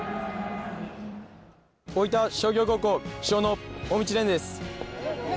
大分商業高校主将の大道蓮です。